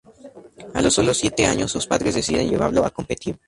A los solo siete años, sus padres deciden llevarlo a competir.